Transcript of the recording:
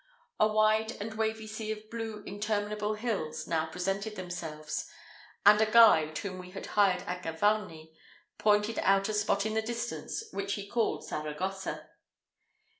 A wide and wavy sea of blue interminable hills now presented themselves; and a guide, whom we had hired at Gavarnie, pointed out a spot in the distance which he called Saragossa.